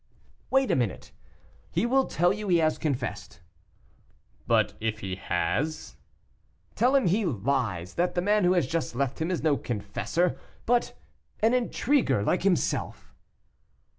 "Wait a minute. He will tell you he has confessed." "But if he has?" "Tell him he lies; that the man who has just left him is no confessor, but an intriguer like himself."